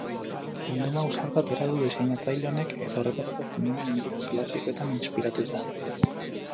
Bilduma ausarta atera du diseinatzaile honek eta horretarako zinema munduko klasikoetan inspiratu da.